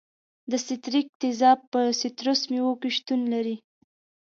د ستریک تیزاب په سیتروس میوو کې شتون لري.